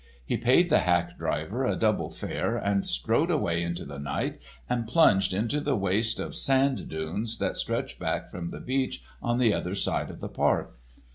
He paid the hack driver a double fare and strode away into the night and plunged into the waste of sand dunes that stretch back from the beach on the other side of the Park.